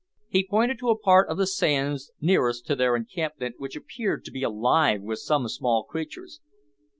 He pointed to a part of the sands nearest to their encampment which appeared to be alive with some small creatures.